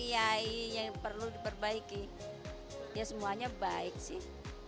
kiai yang perlu diperbaiki ya semuanya baik sih